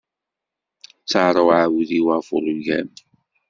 Ttaṛ uɛudiw ɣef ulgam.